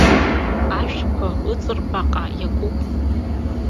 Ашәқәа ыҵарбаҟа иаркуп.